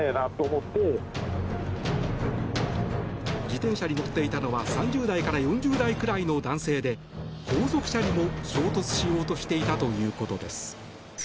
自転車に乗っていたのは３０代から４０代くらいの男性で後続車にも衝突しようとしていたということです。